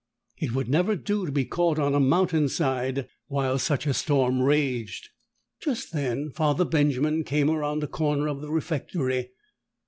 It would never do to be caught on a mountainside while such a storm raged. Just then Father Benjamin came around a corner of the refectory.